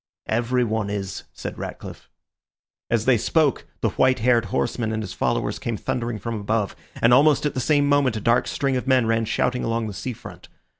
"Everyone is," said Ratcliffe. As they spoke, the white haired horseman and his followers came thundering from above, and almost at the same moment a dark string of men ran shouting along the sea front.